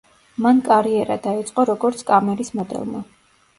მან კარიერა დაიწყო როგორც „კამერის მოდელმა“.